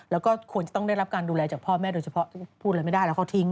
แล้วก็ควรจะต้องได้รับการดูแลจากพ่อแม่โดยเฉพาะพูดอะไรไม่ได้แล้วเขาทิ้ง